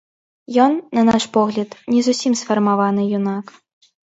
Ён, на наш погляд, не зусім сфармаваны юнак.